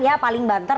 ya paling banter